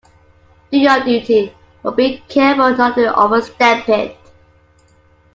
Do your duty, but be careful not to overstep it.